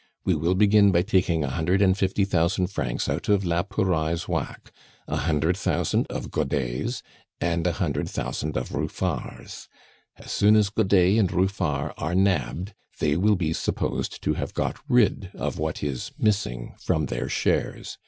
We will begin by taking a hundred and fifty thousand francs out of la Pouraille's whack, a hundred thousand of Godet's, and a hundred thousand of Ruffard's. As soon as Godet and Ruffard are nabbed, they will be supposed to have got rid of what is missing from their shares.